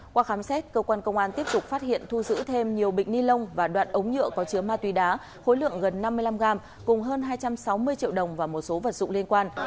qua khám xét cơ quan công an tiếp tục phát hiện thu giữ thêm nhiều bịch ni lông và đoạn ống nhựa có chứa ma túy đá khối lượng gần năm mươi năm gram cùng hơn hai trăm sáu mươi triệu đồng và một số vật dụng liên quan